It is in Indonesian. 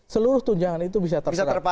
seluruh tunjangan itu bisa terserap